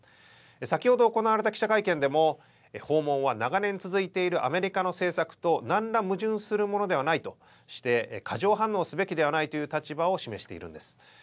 先ほど行われた記者会見でも、訪問は長年続いているアメリカの政策となんら矛盾するものではないとして、過剰反応すべきではないという立場を示しているんです。